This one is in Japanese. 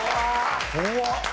怖っ。